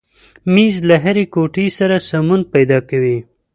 مېز له هرې کوټې سره سمون پیدا کوي.